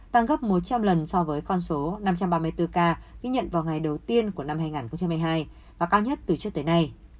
tăng gấp một trăm linh lần so với con số năm trăm ba mươi bốn ca ghi nhận vào ngày đầu tiên của năm hai nghìn hai mươi hai và cao nhất từ trước tới nay